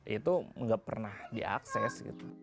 itu nggak pernah diakses